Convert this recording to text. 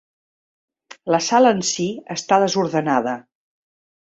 La sala en si està desordenada.